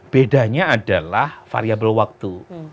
bedanya adalah variable waktu